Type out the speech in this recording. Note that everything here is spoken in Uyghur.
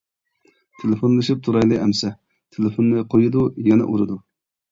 تېلېفونلىشىپ تۇرايلى ئەمىسە، تېلېفوننى قويىدۇ، يەنە ئۇرىدۇ.